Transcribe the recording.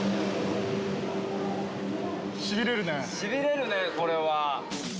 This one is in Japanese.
しびれるねこれは。